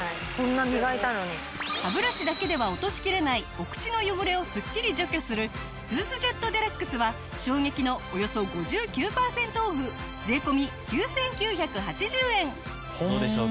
歯ブラシだけでは落としきれないお口の汚れをすっきり除去するトゥースジェットＤＸは衝撃のおよそ５９パーセントオフ税込９９８０円！